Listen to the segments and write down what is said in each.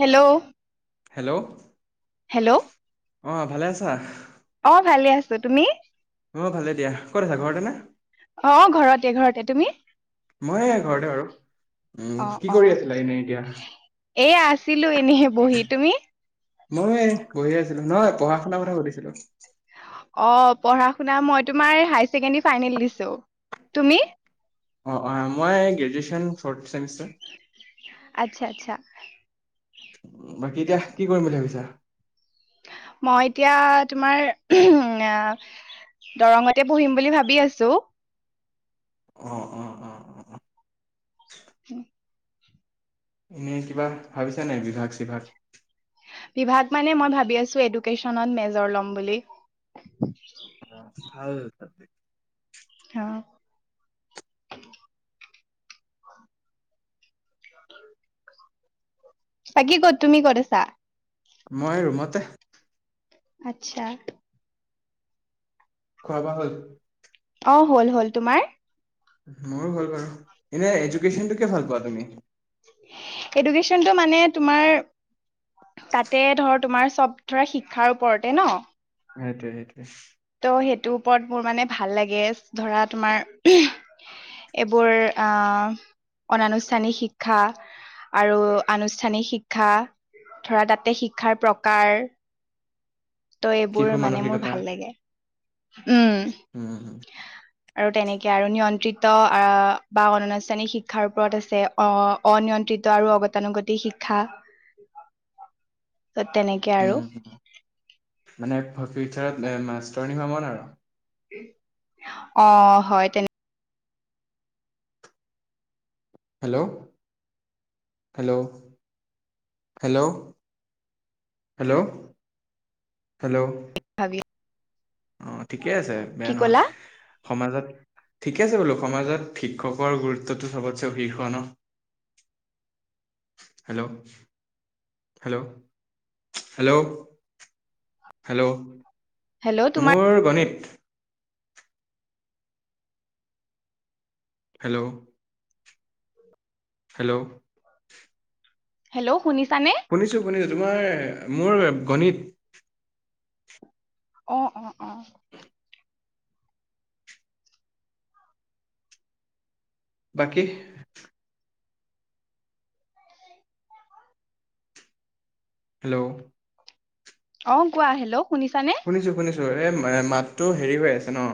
Hello? Hello hello অ ভালে আছা? অ ভালে আছো, তুমি? অ ভালে দিয়া, ক'ত আছা ঘৰতে না? অ ঘৰতে, ঘৰতে, তুমি? মই ঘৰতে বাৰু। উম অ কি অ কৰি আছিলা এনেই এতিয়া? এয়া আছিলো এনেই বহি তুমি মই বহি আছিলো, নহয় পঢ়া-শুনাৰ কথা সুধিছিলো। অ পঢ়া-শুনা মই তোমাৰ হাই ছেকেণ্ডী ফাইনেল দিছো। তুমি? অ, অ, মই গ্ৰেজুৱেশ্যন ফৰ্থ ছেমিষ্টাৰ। আচ্ছা - আচ্ছা। বাকী এতিয়া কি কৰিম বুলি ভাবিছা? মই এতিয়া তোমাৰ [unintelligible] দৰঙতে পঢ়িম বুলি ভাবি আছো। অ' অ' অ' অ' অ'। এনেই কিবা ভাবিছা নাই বিভাগ-চিভাগ। বিভাগ মানে মই ভাবি আছো এডুকেশচনত মেজৰ ল'ম বুলি। অ' ভাল তাতে। অ [inaudible] বাকী ক'ত, তুমি ক'ত আছা? মই ৰুমতে। আচ্ছা। খোৱা-বোৱা হল? অ হ'ল, হ'ল, তোমাৰ? মোৰো ভাল বাৰু, এনে এডুকেশচনটো কিয় ভাল পোৱা তুমি? এডুকেশ্বনটো মানে তোমাৰ তাতে ধৰ তোমাৰ চব ধৰা শিক্ষাৰ ওপৰতে ন। সেইটোৱে, সেইটোৱে। ত সেইটোৰ ওপৰত মোৰ মানে ভাল লাগে ধৰা তোমাৰ এইবোৰ আহ, অনানুষ্ঠানিক শিক্ষা আৰু আনুষ্ঠানিক শিক্ষা, ধৰা তাতে শিক্ষাৰ প্ৰকাৰ ত' এইবোৰ শিশুৰ মানে মোৰ মানসিকতা ভাল লাগে। উম উম আৰু তেনেকে আৰু নিয়ন্ত্ৰিত আহ বা অনানুষ্ঠানিক শিক্ষাৰ ওপৰত আছে অ অনিয় আৰু অগতানুগতিক শিক্ষা ত তেনেকে আৰু উম মানে ফিউচাৰত এ মাষ্টৰ নিভমন আৰু অ', হয় তেনে। Hello hello hello hello hello দোব অ ঠিকে আছে বেয়া নহয় সমাজত ঠিকে আছে বোলো সমাজত শিক্ষকৰ গুৰুত্বটো চবতে শীৰ্ষ ন hello hello hello hello hello তোমাৰ মোৰ গণিত হেল্ল'। হেল্ল'। হেল্' শুনিছো। শুনিছো শুনিছো, তোমাৰ মোৰ গণিত। অ অ অ। বাকী হেল্ল'। অ কোৱা হেল্ল শুনিছানে। শুনিছো শুনিছো মাতটো হেৰি হৈ আছে ন'।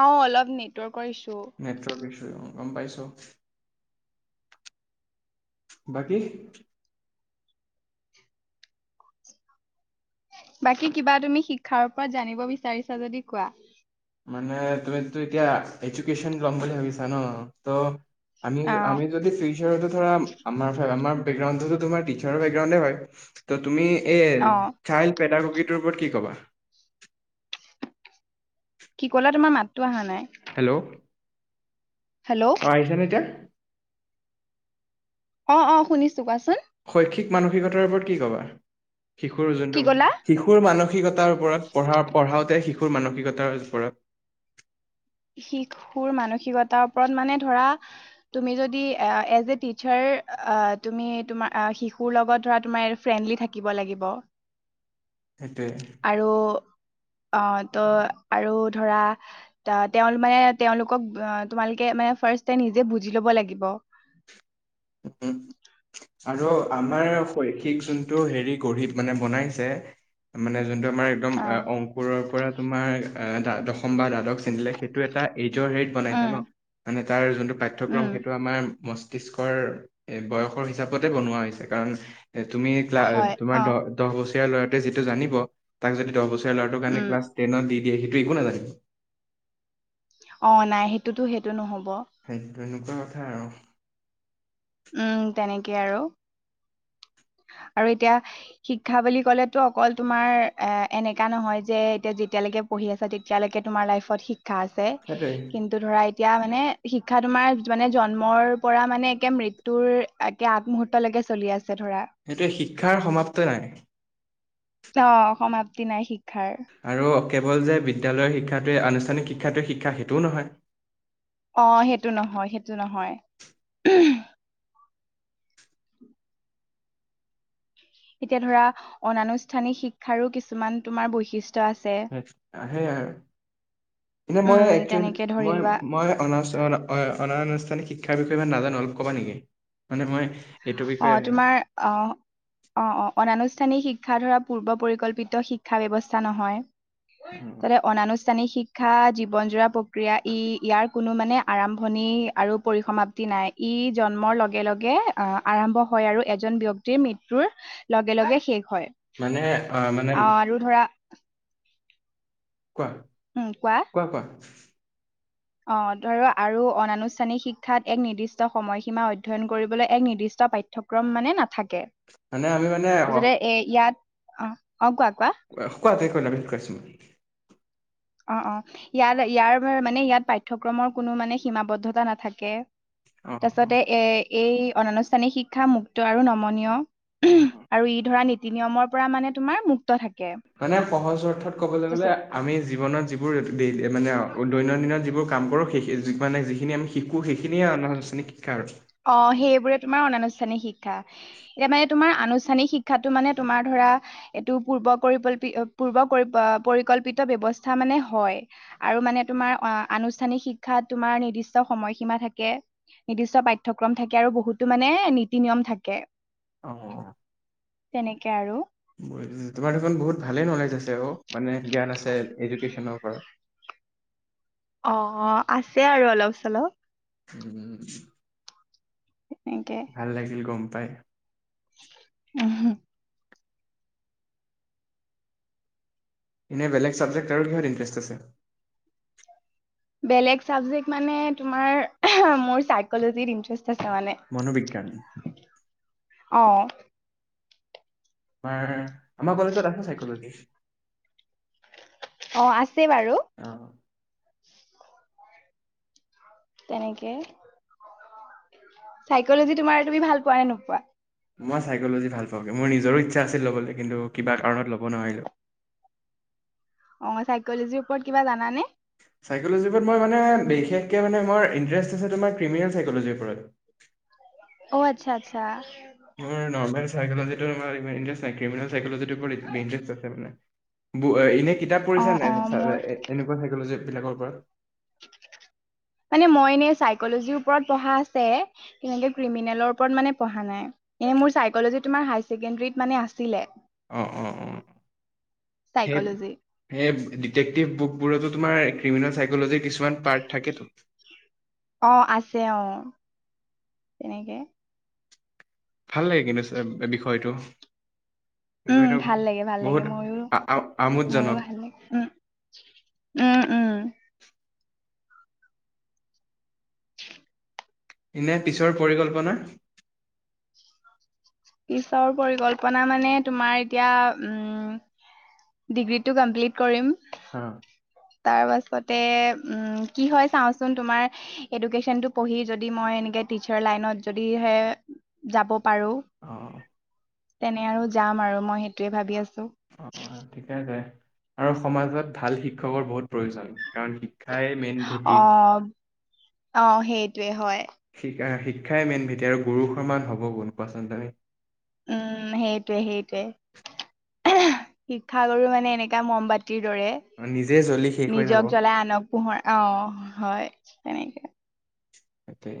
অ অলপ নেটৱৰ্ক। মেটচৰ বিষয়ে। গম পাইছোঁ বাকী। বাকী কিবা তুমি শিক্ষাৰ ওপৰত জানিব বিচাৰিছা যদি কোৱা। মানে তুমিতো এতিয়া এজুকেশ্যন ল'ম বুলি ভাবিছা ন, ত' আমি অ', আমি যদি ফিউচাৰতো ধৰা আমাৰ ধৰ আমাৰ। গা তোমাৰ টিছাৰৰ বেকগ্ৰাউণ্ডে হয় ত তুমি এ অ', চে সেইটোৰ ওপৰত কি ক'বা? কি কলে তোমাৰ মাতো অহা নাই হেল্ল' হেল্ল'। অ আহছা নে এতিয়া অ অ শুনিছো কোৱাচোন শৈক্ষিক মানসিকতাৰ ওপৰত কি ক'বা শিশুৰ কি যোনটো ক'লা? শিশুৰ মানসিকতাৰ ওপৰত পঢ়া পঢ়াওতে শিশু মানসিকতাৰ ওপৰত শিশুৰ মানসিকতাৰ ওপৰত মানে ধৰা তুমি যদি এ এজ এ টিচাৰ তুমি তোমাৰ শিশুৰ লগত ধৰা তোমাৰ ফ্ৰেণ্ডলি থাকিব লাগিব এতিয়া আৰু অ ত' আৰু ধৰা তা তেওঁ মানে তেওঁলোকক তোমালোকে মানে ফাষ্টে নিজে বুজি ল'ব লাগিব উম আৰু আমাৰ শৈক্ষিক যোনটো হেৰি গ় মানে বনাইছে মানে যোনটো আমাৰ একদম অ'। অংকুৰৰ পৰা তোমাৰ দ্ব দশম বা দ্বাদশ লে সেইটো এটা এইজৰ হেৰিত বনাইছে উম, ন মানে তাৰ যোনটো উম, পাঠ্ক্ৰম সেটো আমাৰ মসিষ্ বয়সৰ হিচাপতে বনোৱা হৈছে কাৰণ তুমি ক হয় তোমাৰ অ', দ দহ বছ ল'ৰাটোৱে যিটো জানিব তাক যদি দহ বছৰীয়া ল'ৰাটোৰ কাৰণে উম। ক্লছ টেনত দি দিয়ে স একো নাজানে। অ' নাই সেইটোতো সেইটো নহ'ব। এনেকুৱা কথা আৰু। উম তেনেকেই আৰু [inaudible] আৰু এতিয়া শিক্ষা বুলি ক'লেতো অকল তোমাৰ এ এনেকা নহয় যে এতিয়া যেতিয়ালৈকে পঢ়ি আছা তেতিয়ালৈকে তোমাৰ লাইফট শিক্ষা আছে সেইটোৱে কিন্তু ধৰা এতিয়া মানে শিক্ষা তোমাৰ মানে জন্মৰ পৰা মানে একে মৃত্যু তোৰ একে আগমুহুৰৰ্ত লৈকে চলি আছে। ধৰা শিক্ষাৰ সমাপ্ত নাই। অ' সমাপ্তি নাই শিক্ষাৰ। আৰু কেৱল যে বিদ্যালয়ৰ শিক্ষাটোৱে, আনুষ্ঠানিক শিক্ষাটোৱে শিক্ষা সেইটোও নহয়। অ সেইটো নহয়। সেইটো নহয়। এতিয়া ধৰা অনানুষ্ঠানিক শিক্ষাৰো কিছুমান তোমাৰ বৈশিষ্ট আহে আৰু। মই উম একচুৱেলি তেনেকে ধৰি মই লোৱা মই অনানুষ্ঠানিক শিক্ষা শিক্ষাৰ বিষয়ে ইমান নাজানো অলপ কবা নেকি? মানে মই এইটো বিষয়ে অ'তোমাৰ অ -অ -অ- অনানুষ্ঠানিক শিক শিক্ষা ধৰা পূৰ্ব -পৰিকল্পিত শিক্ষা ব্যৱস্থা নহয়, যাতে অনানু ষ্ঠানিক শিক্ষা জীৱন জোৰা প্ৰক্ৰিয়া ই ইয়াৰ কোনো মানে আৰম্ভণি আৰু পৰিসমাপ্তি নাই ই জন্মৰ লগে লগে আহ আৰম্ভ হয় আৰু এজন ব্যক্তিৰ মৃত্যুৰ লগে লগে শেষ হয়। মানে মানে অ আৰু ধৰা কোৱা- কোৱা- কোৱা। অ' ধৰক আৰু অনানুষ্ঠানিক শিক্ষাত এক নিৰ্দিষ্ট সময়সীমা অধ্যয়ন কৰিবলৈ এক নিৰ্দিষ্ট পাঠ্যক্ৰম মানে নাথাকে, মানে আমি মানে অ তাৰপাছতে এ ইয়াত আহ কোৱা কোৱা একো নাই অ' অ' ইয়াৰ ইয়াৰ মানে ইয়াত পাঠ্যক্ৰম ৰ কোনো মানে সীমাবদ্ধতা নাথাকে। অ তাৰপাছতে এ এই অনানুষ্ঠানিক শিক্ষা মুক্ত আৰু নমনীয়। অ আৰু ই ধৰা নীতি নিয়মৰ পৰা মানে তোমাৰ মু মানে সহজ অৰ্থত ক'বলৈ গ'লে তাৰপিছত আমি জীৱনত যিবোৰ মানে দৈনন্দিন যিবোৰ কাম কৰো সেই য মানে যিখিনি আমি শিকো সেইখিনিয়ে অনানুষ্ঠানিক শিক্ষা আৰু। অ সেইবোৰে তোমাৰ অনানুষ্ঠানিক শিক্ষা এতিয়া মানে তোমাৰ আনুষ্ঠানিক শিক্ষাটো মানে তোমাৰ ধৰা এইটো পূৰ্বকল্প পূৰ্ব পৰিকল্পিত ব্যৱস্থা মানে হয় আৰু মানে তোমাৰ আনুষ্ঠানিক শিক্ষাত তোমাৰ নিৰ্দিষ্ট সময়সীমা থাকে নিৰ্দিষ্ট পাঠ্যক্ৰম থাকে আৰু বহুতো মানে নীতি নিয়ম থাকে অহ। তেনেকে আৰু, তোমাৰ দেখোন বহুত ভালেই নলেজ আছে অ মানে জ্ঞান আছে এডুকেশ্যনৰ ওপৰত। [inaudible] অ অ আছে আৰু অলপ চলপ। উম। এনেকে ভাল লাগিল গম পাই। [unintelligible] এনে বেলেগ ছাবজেক্ট আৰু কিহত ইণ্টাৰেষ্ট আছে? বেলেগ চাবজেক্ মানে তোমাৰ মোৰ সাইকলোজিত ইন্ত্ৰেছ মানে মনোবিজ্ঞান অ আমাৰ আমাৰ কলেজত আছে চাইকলজি। অ আছে বাৰু, অ তেনেকে চাইকলজি তোমাৰ তুমি ভাল পোৱা নে নোপোৱা? মই চাইক'লজি ভাল পাওঁগে মোৰ নিজৰো ইচ্ছা আছিল ল'বলৈ কিন্তুু কিবা কাৰণত ল'ব নোৱাৰিলো অ চাইকলজিৰ ওপৰত কিবা জানানে? চাইক'জীৰ ওপৰত মই মানে বিশেষকে মানে মোৰ ইণ্টাৰেষ্ট আছে তোমাৰ কপৃমিযচাইক'লজ ওপৰত। [inaudible] অ, আচ্ছা, আচ্ছা মোৰ নৰ্মেল। চাইকলজি টো মানে ইণ্টাৰেষ্ট ক্ৰিমিনেল চাইকলজি টোৰ ওপৰত ইণ্টাৰেষ্ট আছে মানে। কিতাপ অ পঢ়িছা অ নে মোৰ নাই এনেকুৱা চাইকলজী বিলাকৰ ওপৰত। মানে মই এনেই চাইকলজিৰ ওপৰত পঢ়া আছে তেনেকে ক্ৰিমিনেলৰ ওপৰত মানে পঢ়া নাই। এনে মোৰ চাইকলজি তোমাৰ হায় ছেকেণ্ডৰীত মানে আছিলে। অ অ অ সেই চাইকলজি। সেই ডিটেক্টিভ বুকবোৰতো তোমাৰ ক্ৰিমিনেল চাইকলজিৰ কিছুমান পাৰ্ট থাকেতো। অ আছে অ তেনেকে। ভাল লাগে কিন্তু বিষয়টো। উম, বিষয়টো ভাল লাগে, ভাল লাগে, বহুত ময়ো, আ- আ- ময়ো আমোদজনক উম উম, উম এনে পিছৰ পৰিকল্পনা? পিছৰ পৰিকল্পনা মানে তোমাৰ এতিয়া উম ডিগ্ৰীটো কমপ্লিট কৰিম। হা। তাৰ পাছতে উম কি হয় চাওঁচোন তোমাৰ এডুকেশ্বনতটো পঢ়ি যদি মই এনেকে টিচাৰ লাইনত যদিহে যাব পাৰো অ। তেনে আৰু যাম আৰু মই সেইটোৱে ভাবি আছো। অ', ঠিকে দে আছে আৰু সমাজত ভাল শিক্ষকৰ বহুত প্ৰয়োজন কাৰণ এই মেইন ভেটি। অ', অ সেইটোয়ে হয়। শিকা শিক্ষাই মেইন ভেটি আৰু গুৰুৰ সমান হ'ব কোন কোৱাচোন তুমি উম, সেইটোৱে সেইটোৱে শিক্ষাগুৰু মানে এনেকুৱা মমবতি কি দৰে নিজে জ্বলি শেষ হৈ যাব নিজক জ্বলাই আনক পোহৰ অ হয়। তেনেকৈ। ইয়াতে আছে।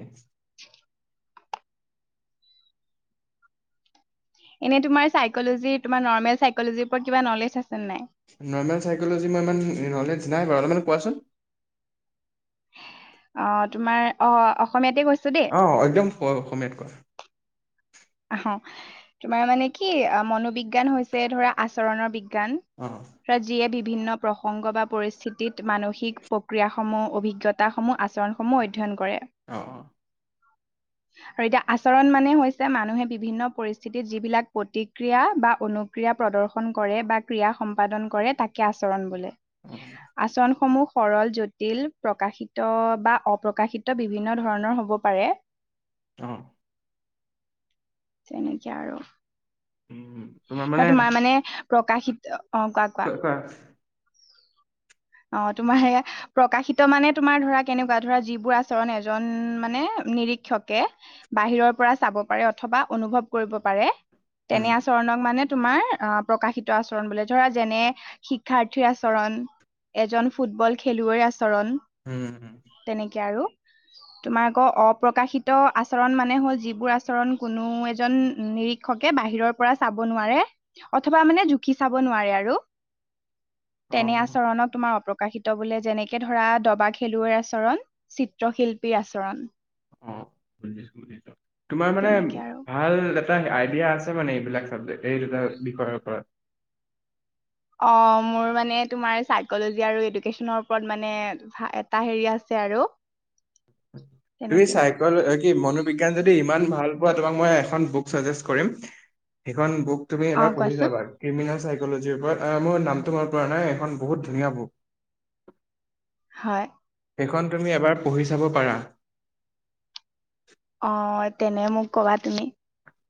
এনে তোমাৰ চাইক লজিৰ তোমাৰ নৰ্মেল চাইকজিৰ ওৰত কিবা নলেজ আছে নে নাই? নৰ্মেল চাইক'ল'জি মই ইমান নলেজ নাই বাৰু কোৱাচোন। অ তোমাৰ অ অসমীয়াতে কৈছো। দেই। অ', একদম কোৱা অসমীয়াত কোৱা অ হ তোমাৰ মানে কি মনোবিজ্ঞান হৈছে ধৰা আচৰণৰ বিজ্ঞান গান অ বা যিয়ে দিপ বিভিন্ন প্ৰসংগ বা পৰিস্থিতিত মানসিক প্ৰক্ৰিয়াসমূহ অভিজ্ঞতাসমূহ আচৰণসমূহ অধ্যয়ন কৰে। অ অ। আৰু এতিয়া আচৰণ মানে হৈছে যে মানুহে বিভিন্ন পৰিস্থিতিত যিবিলাক প্ৰতিক্ৰিয়া বা অনুক্ৰিয়া প্ৰদৰ্শন কৰে বা ক্ৰিয়া সম্পাদন কৰে তাকে আচৰণ বোলে অ আচৰণ সমূহ সৰল জটিল প্ৰকাশিত বা অপ্ৰকাশিত বিভিন্ন ধৰণৰ হ'ব পাৰে অ। তেনেকে আৰু। তোমাৰ মানে প্ৰকাশিত কোৱা কোৱা অ তোমাৰ সেয়া প্ৰকাশিত মানে তোমাৰ ধৰা কেনেকুৱা ধৰা যিবোৰ আচৰণ এজন মানে নিৰীক্ষকে বাহিৰৰ পৰা চাব পাৰে অথবা অনুভৱ কৰিব পাৰে। হম। তেনে আচৰণক মানে তোমাৰ অহ প্ৰকাশিত আচৰণ বোলে। ধৰা যেনে শিক্ষাৰ্থীৰ আচৰণ, এজন ফুটবল খেলুৱৈ আচৰণ, উম তেনেকে আৰু। তোমাৰ আকৌ অপ্ৰকাশিত আচৰণ মানে হ'ল-যিবোৰ আচৰণ কোনো এজন, উম! নিৰীক্ষকে বাহিৰৰ পৰা চাব নোৱাৰে অথবা মানে জুখি চাব নোৱাৰে আৰু। অ তেনে আচৰণক তোমাৰ অপ প্ৰকাশিত বোলে। যেনেকে ধৰা, দবা খেলুৱৈৰ আচৰণ, চিত্ৰশিল্পী আচৰণ। অ' বুজিছো বুজিছো। তোমাৰ মানে তেনেকে আৰু ভাল এটা আইডিয়া আছে মানে এইবিলাক চাবজেক এই দুটা বিষয়ৰ ওপৰত। অ' মোৰ মানে তোমাৰ চাইকলজি আৰু এডুকেচনৰ ওপৰত মানে এটা হেৰি আছে। আছে আৰু। তুমি তেনেকে চাইক'ল, কি মনোবিজ্ঞান যদি ইমান ভাল মই তোমাক এখন বুক চাজেষ্ট কৰিম। সেইখন বুক তুমি অ এবাৰ পঢ়ি কোৱাচোন চাবা। ক্ৰিমিনেল চাৰ [unintelligible] মই নামটো মনত পৰা নাই এখন বহুত ধুনীয়া বুক। হয়। সেইখন তুমি এবাৰ পঢ়ি চাব পাৰা। অ', তেনে মোক কবা তুমি।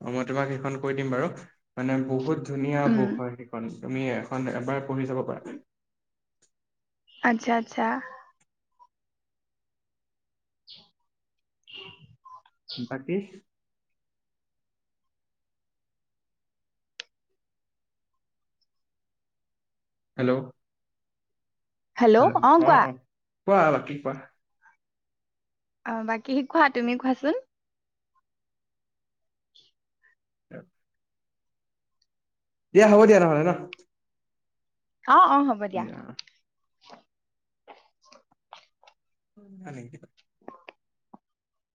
অ মই তোমাক সেইখন কৈ দিম বাৰু, মানে বহুত ধুনীয়া উম বুক হয় সেইখন। তুমি এখন এবাৰ পঢ়ি চাব পাৰা। আচ্ছা আচ্ছা। [inaudible] বাকিচ হেল্ল' হেল্ল' অ কোৱা। কোৱা বাকি কোৱা। অ বাকী কোৱা। তুমি কোৱাচোন। [inaudible] দিয়া হ'ব দিয়া নহ'লে ন। অ অ হ'ব দিয়া। [unintelligible]